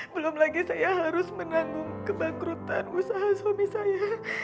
belum lagi saya harus menanggung kebangkrutan usaha suami saya